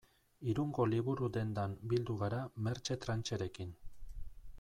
Irungo liburu-dendan bildu gara Mertxe Trancherekin.